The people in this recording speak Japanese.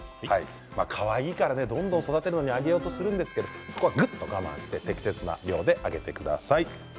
かわいいからどんどん育てるのに水をあげようとするんですがぐっと我慢して適切な量をあげてください。